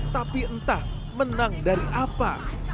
tapi entah menang dari apa